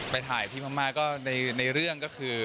ไปถ่ายที่พม่าก็ในเรื่องก็คือ